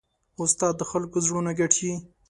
استاد د خلکو زړونه ګټي.